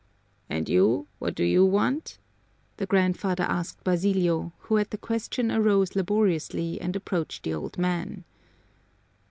"And you, what do you want?" the grandfather asked Basilio, who at the question arose laboriously and approached the old man.